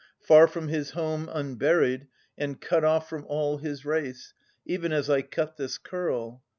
Far from his home, unburied, and cut off From all his race, even as I cut this curl.